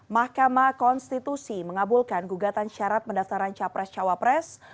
mahkamah konstitusi mengabulkan gugatan syarat pendaftaran capres cawapres